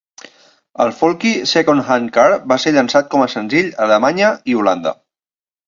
El folky "Second Hand Car" va ser llançat com a senzill a Alemanya i Holanda.